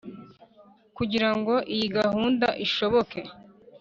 kugirango iyi gahunda ishoboke.